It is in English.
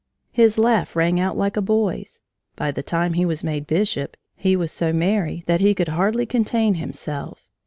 His laugh rang out like a boy's. By the time he was made Bishop, he was so merry that he could hardly contain himself.